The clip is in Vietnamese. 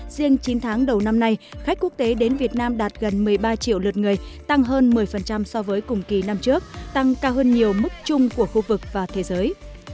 riêng chín tháng đầu năm nay khách quốc tế đến việt nam đạt gần một mươi ba triệu lượt người tăng hơn một mươi so với cùng kỳ năm trước tăng cao hơn nhiều mức chung của khu vực và thế giới